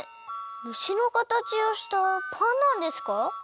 むしのかたちをしたパンなんですか？